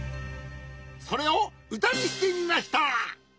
それをうたにしてみました！